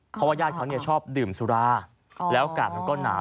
เพราะว่าญาติเขาชอบดื่มสุราแล้วอากาศมันก็หนาว